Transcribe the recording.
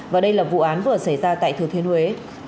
và đây là vụ án vừa xảy ra tại thừa thiên huế